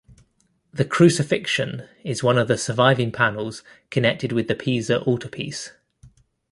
The "Crucifixion" is one of the surviving panels connected with the Pisa Altarpiece.